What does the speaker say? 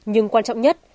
nhưng quan trọng nhất